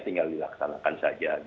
tinggal dilaksanakan saja